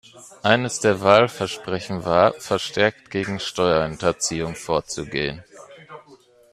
Eines der Wahlversprechen war, verstärkt gegen Steuerhinterziehung vorzugehen.